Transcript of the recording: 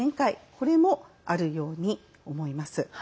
これもあるように思います。